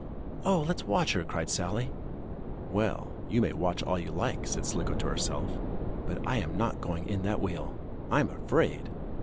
"Oh, let's watch her!" cried Sallie. "Well, you may watch all you like," said Slicko to herself, "but I am not going in that wheel. I'm afraid!"